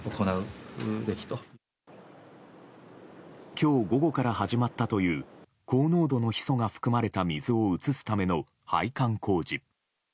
今日午後から始まったという高濃度のヒ素が含まれた水を移すための配管工事。